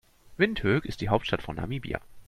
Windhoek ist die Hauptstadt von Namibia.